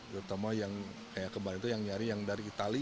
terutama yang kayak kemarin itu yang nyari yang dari itali